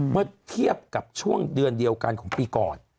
เมื่อเทียบกับช่วงเดือนเดียวกันของปีก่อน